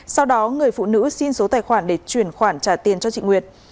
sau đó người phụ nữ xin số tài khoản để chuyển khoản trả tiền cho chị nguyệt